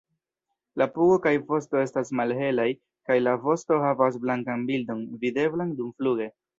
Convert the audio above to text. La pugo kaj vosto estas malhelaj, kaj la vosto havas blankan bildon videblan dumfluge.